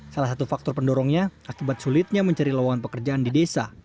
salah satu faktor pendorongnya akibat sulitnya mencari lawangan pekerjaan di desa